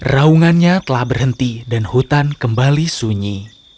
raungannya telah berhenti dan hutan kembali sunyi